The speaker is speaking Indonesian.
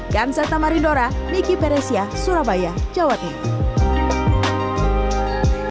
ganseta marindora miki peresia surabaya jawa tenggara